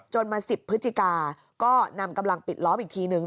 มา๑๐พฤศจิกาก็นำกำลังปิดล้อมอีกทีนึง